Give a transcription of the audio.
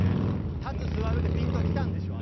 立つ座るでぴんときたんでしょ？